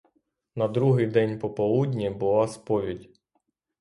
На другий день пополудні була сповідь.